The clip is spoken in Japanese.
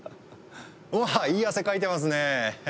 おっいい汗かいてますね！